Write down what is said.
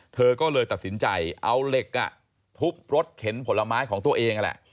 เธอก็เลยตัดสินใจเอาเหล็กทุบรถเข็นผลไม้ของตัวเองนั่นแหละ